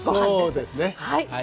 そうですねはい。